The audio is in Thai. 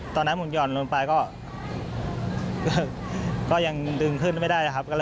ตอนนั้นผมห่อนลงไปก็ยังดึงขึ้นไม่ได้นะครับ